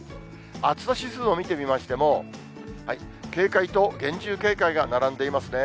暑さ指数を見てみましても、警戒と厳重警戒が並んでいますね。